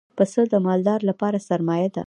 پسه د مالدار لپاره سرمایه ده.